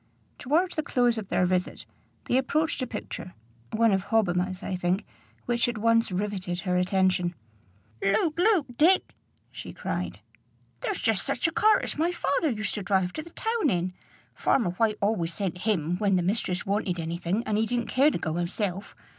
Towards the close of their visit, they approached a picture one of Hobbima's, I think which at once riveted her attention. "Look, look, Dick!" she cried. "There's just such a cart as my father used to drive to the town in. Farmer White always sent him when the mistress wanted any thing and he didn't care to go hisself.